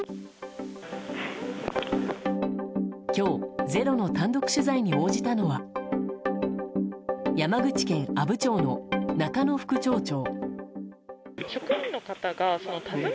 今日、「ｚｅｒｏ」の単独取材に応じたのは山口県阿武町の中野副町長。